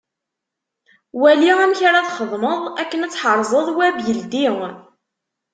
Wali amek ara txedmeḍ akken ad tḥerzeḍ Web yeldi.